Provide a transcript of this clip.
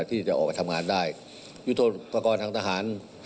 ที่จะออกไปทำงานได้ยุทธโปรกรณ์ทางทหาร